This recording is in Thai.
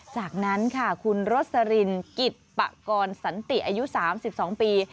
จากนั้นค่ะคุณรสรินกิจปะกรสันติอายุ๓๒ปี